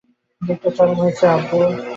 গিফটটা চরম হয়েছে, আব্বু।